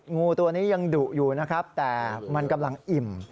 งูตัวนี้ยังดุอยู่นะครับแต่มันกำลังอิ่ม